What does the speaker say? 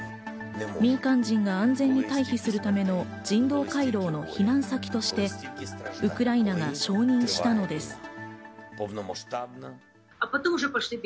民間人が安全に退避するための人道回廊の避難先として、ウクライナが承認したのです。